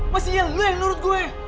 mastinya lo yang nurut gue